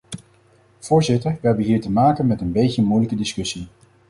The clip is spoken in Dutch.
Voorzitter, we hebben hier te maken met een beetje moeilijke discussie.